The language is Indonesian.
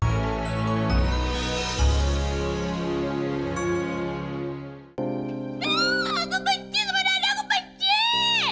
aku benci sama dada aku benci